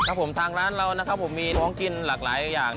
ครับผมทางร้านเรานะครับผมมีท้องกินหลากหลายอย่าง